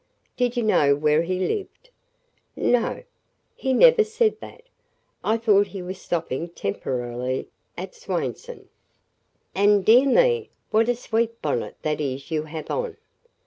"Did you know where he lived?" "No! He never said that. I thought he was stopping temporarily at Swainson." "And dear me! what a sweet bonnet that is you have on!"